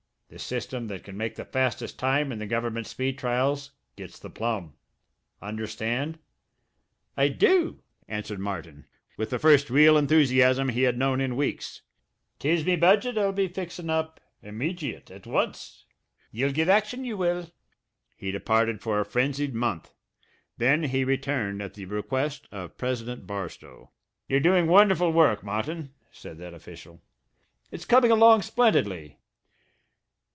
The system that can make the fastest time in the government speed trials gets the plum. Understand?" "I do!" answered Martin, with the first real enthusiasm he had known in weeks. "'Tis me budget I'll be fixin' up immejiate at once. Ye'll get action, ye will." He departed for a frenzied month. Then he returned at the request of President Barstow. "You're doing wonderful work, Martin," said that official. "It's coming along splendidly.